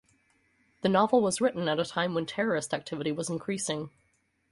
The novel was written at a time when terrorist activity was increasing.